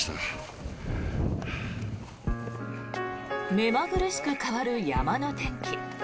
目まぐるしく変わる山の天気。